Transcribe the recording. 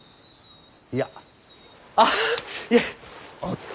いやああっいや。